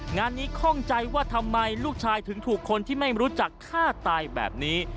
งานนี้ข้องใจว่าทำไมลูกชายถึงถูกคนที่ไม่รู้จักฆ่าตายแบบนี้